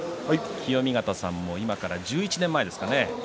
清見潟さんも今から１１年前ですか。